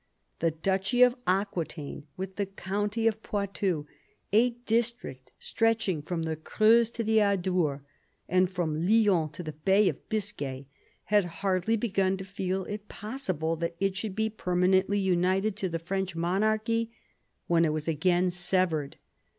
The duchy of Aquitaine, with the county of Poitou — a district stretch ing from the Creuse to the Adour, and from Lyons to the Bay of Biscay — had hardly begun to feel it possible that it should be permanently united to the French monarchy when it was again severed.